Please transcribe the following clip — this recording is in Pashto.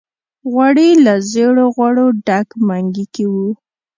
غوړي له زېړو غوړو ډک منګي کې وو.